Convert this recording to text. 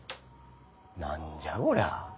何じゃこりゃ。